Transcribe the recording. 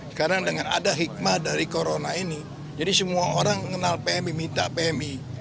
sekarang dengan ada hikmah dari corona ini jadi semua orang mengenal pmi minta pmi